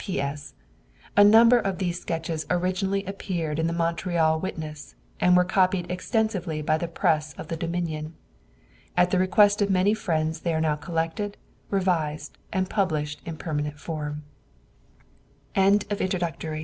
P.S.—A number of these sketches originally appeared in the Montreal Witness, and were copied extensively by the press of the Dominion. At the request of many friends they are now collected, revised, and published in permanent form. JAMES WOOD COMMISSION MERCHANT, CHICA